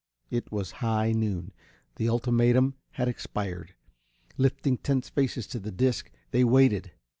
It was high noon. The ultimatum had expired. Lifting tense faces to the disc, they waited.